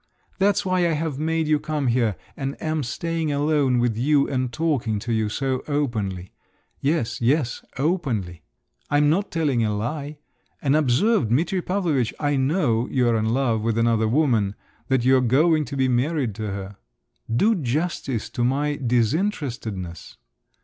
That's why I have made you come here, and am staying alone with you and talking to you so openly…. Yes, yes, openly. I'm not telling a lie. And observe, Dimitri Pavlovitch, I know you're in love with another woman, that you're going to be married to her…. Do justice to my disinterestedness!